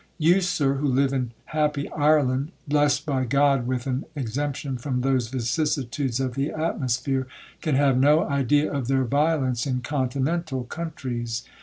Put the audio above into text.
You, Sir, who live in happy Ireland, blessed by God with an exemption from those vicissitudes of the atmosphere, can have no idea of their violence in continental countries.